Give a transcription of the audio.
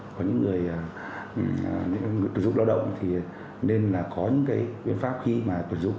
có những người tuyển dụng lao động nên có những biện pháp khi tuyển dụng